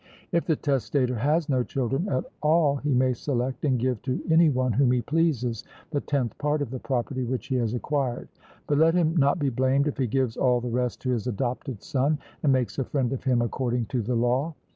If the testator has no children at all, he may select and give to any one whom he pleases the tenth part of the property which he has acquired; but let him not be blamed if he gives all the rest to his adopted son, and makes a friend of him according to the law.